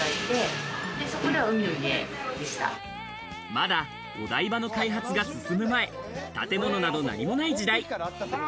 まだ、お台場の開発が進む前、建物など何もない時代。